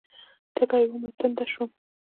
تږې ومه، تنده شوم